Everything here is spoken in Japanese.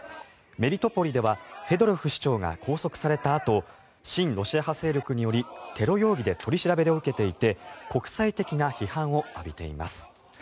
メリトポリではフェドロフ市長が拘束されたあと親ロシア派勢力によりテロ容疑で取り調べを受けていて国際的な批判を受けています。